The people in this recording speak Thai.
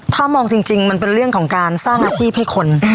ถ้ามองจริงมันเป็นเรื่องของการสร้างอาชีพให้คน